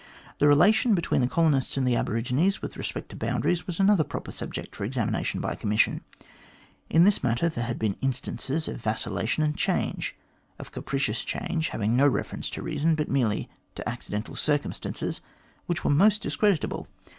The relation between the colonists and the aborigines with respect to boundaries was another proper subject for examination by a commission. In this matter there had been instances of vacillation and change, of capricious change, having no reference to reason, but merely to accidental circumstances, which were most discreditable.